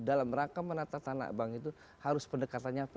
dalam rangka menata tanah bank itu harus pendekatannya apa